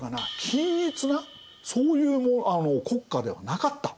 均一なそういう国家ではなかった。